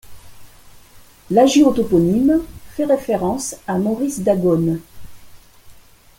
L'hagiotoponyme fait référence à Maurice d'Agaune.